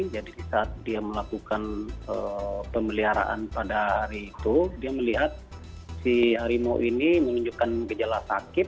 jadi saat dia melakukan pemeliharaan pada hari itu dia melihat si harimau ini menunjukkan gejala sakit